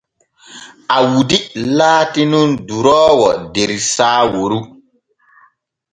Awdi laati nun duroowo der Saaworu.